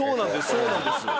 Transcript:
そうなんです。